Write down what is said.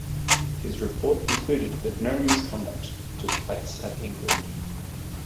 His report concluded that no misconduct took place at the inquiry.